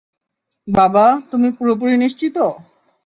বাবা, তুমি পুরোপুরি নিশ্চিত?